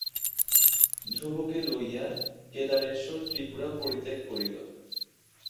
ধ্রুবকে লইয়া কেদারেশ্বর ত্রিপুরা পরিত্যাগ করিল।